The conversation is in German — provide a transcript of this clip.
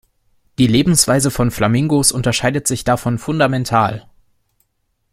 Die Lebensweise von Flamingos unterscheidet sich davon fundamental.